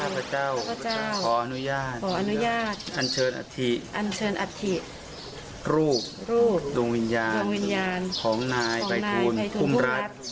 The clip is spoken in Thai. พี่แจ๋วเรียกเข้าบ้านค่ะ